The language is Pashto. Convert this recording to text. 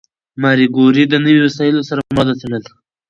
ماري کوري د نوي وسایلو سره مواد وڅېړل.